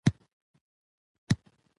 موږ یو د بل وروڼه یو.